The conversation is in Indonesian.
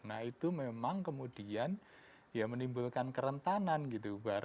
nah itu memang kemudian ya menimbulkan kerentanan gitu